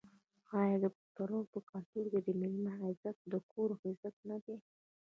آیا د پښتنو په کلتور کې د میلمه عزت د کور عزت نه دی؟